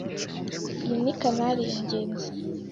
Iyi ni Canary ya Ngenzi.